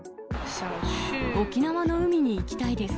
沖縄の海に行きたいです。